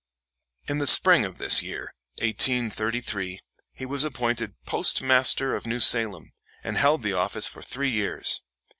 In the spring of this year, 1833, he was appointed Postmaster of New Salem, and held the office for three years.